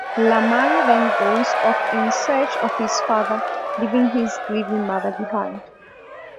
Lam-ang then goes off in search of his father, leaving his grieving mother behind.